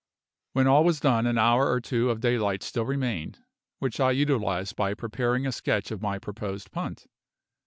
When all was done an hour or two of daylight still remained, which I utilised by preparing a sketch of my proposed punt.